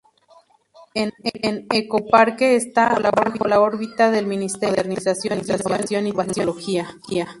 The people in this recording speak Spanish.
En Ecoparque está bajo la órbita del Ministerio de Modernización, Innovación y Tecnología.